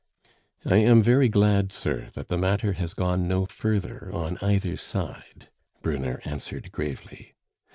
"I am very glad, sir, that the matter has gone no further on either side," Brunner answered gravely.